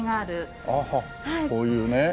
こういうね。